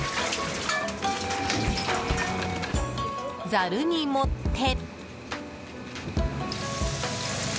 ざるに盛って。